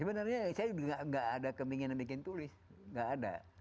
sebenarnya saya nggak ada keinginan bikin tulis nggak ada